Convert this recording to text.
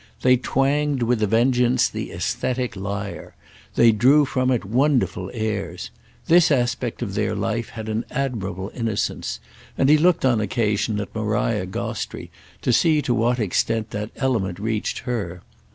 They twanged with a vengeance the æsthetic lyre—they drew from it wonderful airs. This aspect of their life had an admirable innocence; and he looked on occasion at Maria Gostrey to see to what extent that element reached her.